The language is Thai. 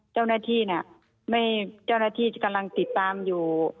เจ้าหน้าที่น่ะไม่เจ้าหน้าที่กำลังติดตามอยู่